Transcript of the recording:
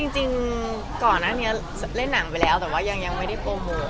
ก็ค่ะจริงก่อนอันนี้เล่นหนังไว้แล้วแต่ว่ายังไม่ได้โปรโหลอบ